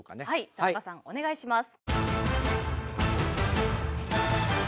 田中さんお願いします。